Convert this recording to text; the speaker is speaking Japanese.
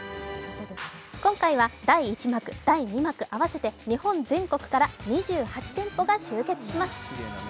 今回は、第１幕、第２幕合わせて日本全国から２８店舗が集結します。